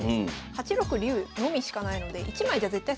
８六竜のみしかないので１枚じゃ絶対攻めれない。